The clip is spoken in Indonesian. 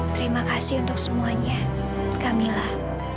terima kasih untuk semuanya kamilah